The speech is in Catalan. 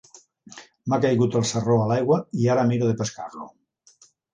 M'ha caigut el sarró a l'aigua i ara miro de pescar-lo.